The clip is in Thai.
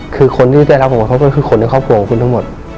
คือคนที่ได้รับผลกระทบก็คือคนในครอบครัวของคุณทั้งหมด